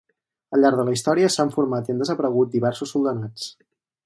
Al llarg de la història s'han format i han desaparegut diversos soldanats.